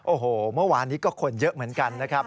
โอ้โหเมื่อวานนี้ก็คนเยอะเหมือนกันนะครับ